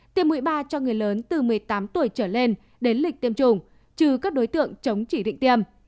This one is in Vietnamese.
tiêm mũi ba cho người lớn từ một mươi tám tuổi trở lên đến lịch tiêm chủng trừ các đối tượng chống chỉ định tiêm